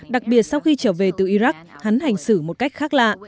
đặc biệt sau khi trở về từ iraq hắn hành xử một cách khác lạ